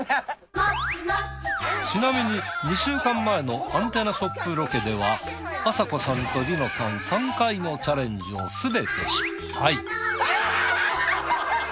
ちなみに２週間前のアンテナショップロケではあさこさんと梨乃さん３回のチャレンジをすべて失敗。